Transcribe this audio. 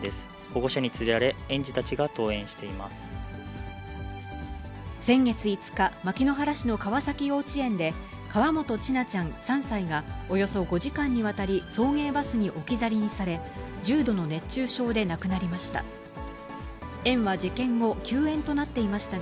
保護者に連れられ、園児たちが登先月５日、牧之原市の川崎幼稚園で、河本千奈ちゃん３歳が、およそ５時間にわたり送迎バスに置き去りにされ、重度の熱中症で亡くなりました。